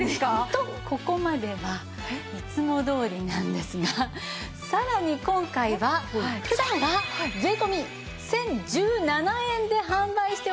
とここまではいつもどおりなんですがさらに今回は普段は税込１０１７円で販売しております